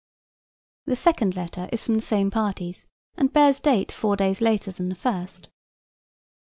The second letter is from the same parties, and bears date four days later than the first.